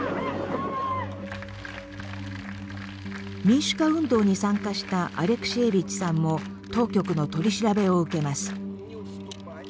民主化運動に参加したアレクシエービッチさんも当局の取り調べを受けます。